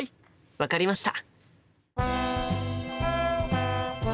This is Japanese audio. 分かりました！